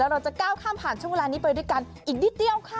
เราจะก้าวข้ามผ่านช่วงเวลานี้ไปด้วยกันอีกนิดเดียวค่ะ